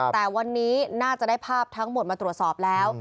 แต่วันนี้น่าจะได้ภาพทั้งหมดมาตรวจสอบแล้ว